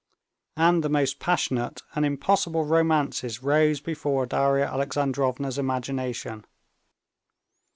And the most passionate and impossible romances rose before Darya Alexandrovna's imagination.